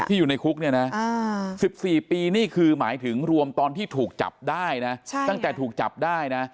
ที่อยู่ในคุก๑๔ปีนี่คือหมายถึงรวมตอนที่ถูกจับได้ตั้งแต่ถูกจับได้